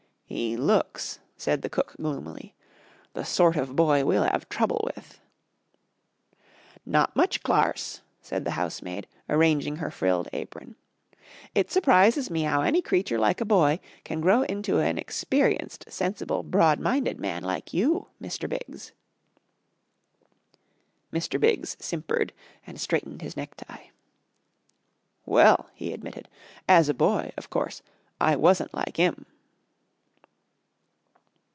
"'E looks," said the cook gloomily, "the sort of boy we'll 'ave trouble with." "Not much clarse," said the house maid, arranging her frilled apron. "It surprises me 'ow any creature like a boy can grow into an experienced, sensible, broad minded man like you, Mr. Biggs." Mr. Biggs simpered and straightened his necktie. "Well," he admitted, "as a boy, of course, I wasn't like 'im."